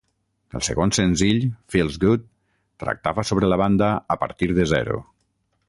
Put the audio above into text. El segon senzill "Feels Good" tractava sobre la banda 'a partir de zero'.